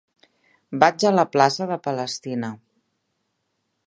Vaig a la plaça de Palestina.